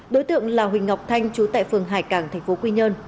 đối tượng là huỳnh ngọc thanh trú tại phường hải càng thành phố quy nhơn